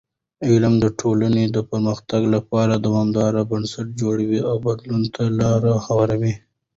علم د ټولنې د پرمختګ لپاره دوامدار بنسټ جوړوي او بدلون ته لاره هواروي.